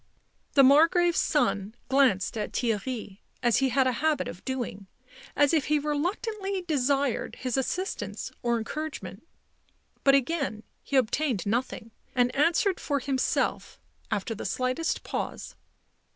The Margrave's son glanced at Theirry, as he had a habit of doing, as if he reluctantly desired his assist ance or encouragement ; but again he obtained nothing and answered for himself, after the slightest pause.